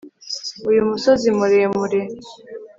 Uyu musozi muremure